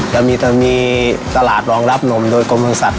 แล้วมีตลาดรองรับนมโดยกรมศาสตร์